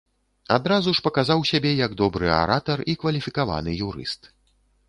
Адразу ж паказаў сябе як добры аратар і кваліфікаваны юрыст.